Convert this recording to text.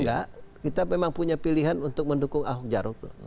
enggak kita memang punya pilihan untuk mendukung ahok jarot